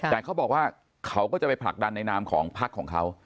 แต่เขาบอกว่าเขาก็จะไปผลักดันในนามของพักของเขา